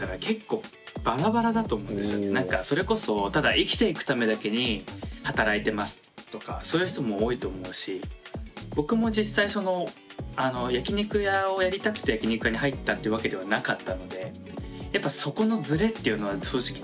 それこそただ生きていくためだけに働いてますとかそういう人も多いと思うし僕も実際焼き肉屋をやりたくて焼き肉屋に入ったってわけではなかったのでやっぱそこのずれっていうのは正直出てきちゃうのかなって思いました。